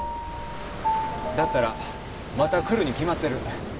だったらまた来るに決まってる。